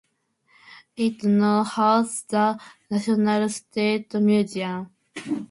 It now houses the National Slate Museum.